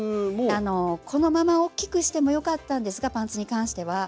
このままおっきくしてもよかったんですがパンツに関しては。